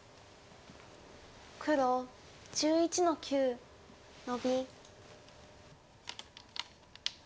黒１１の九ノビ。